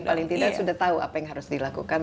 paling tidak sudah tahu apa yang harus dilakukan